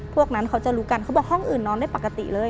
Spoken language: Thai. พวกนั้นเขาจะรู้กันเขาบอกห้องอื่นนอนได้ปกติเลย